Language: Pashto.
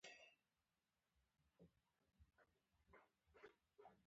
توکل په خدای کول پکار دي